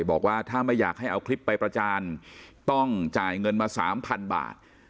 บอกว่าถ้าไม่อยากให้เอาคลิปไปประจานต้องจ่ายเงินมา๓๐๐บาท